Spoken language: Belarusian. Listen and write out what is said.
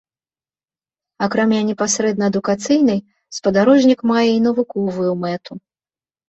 Акрамя непасрэдна адукацыйнай, спадарожнік мае і навуковую мэту.